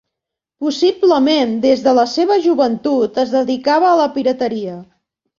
Possiblement des de la seva joventut es dedicava a la pirateria.